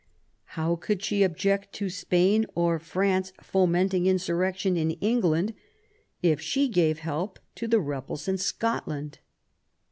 How could she object to Spain or France fomenting insurrection in England if she gave help to the rebels in Scotland?